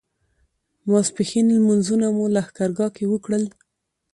ماسپښین لمونځونه مو لښکرګاه کې وکړل.